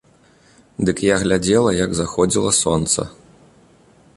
Дык я глядзела, як заходзіла сонца.